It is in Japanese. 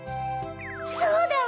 そうだわ！